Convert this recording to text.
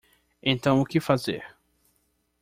Então o que fazer